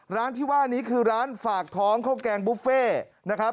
ร้านที่ว่านี้คือร้านฝากท้องข้าวแกงบุฟเฟ่นะครับ